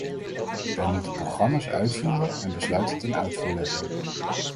Wij moeten programma's uitvoeren en besluiten ten uitvoer leggen.